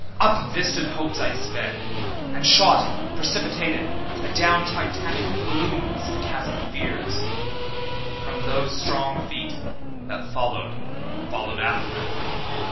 Up vistaed hopes I sped; And shot, precipitated, Adown Titanic glooms of chasmèd fears, From those strong Feet that followed, followed after.